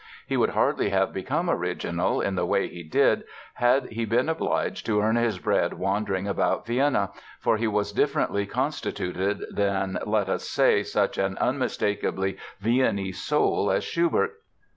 He would hardly have become "original" in the way he did had he been obliged to earn his bread wandering about Vienna, for he was differently constituted than, let us say, such an unmistakably Viennese soul as Schubert.